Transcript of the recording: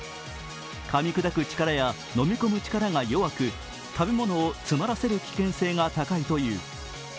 かみ砕く力や飲み込む力が弱く食べ物を詰まらせる危険性が高いという。